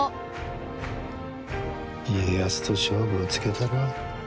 家康と勝負をつけたるわ。